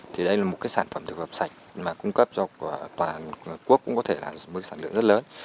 thì đây là một sản phẩm thực hợp sạch mà cung cấp cho toàn quốc cũng có thể là một sản lượng rất lớn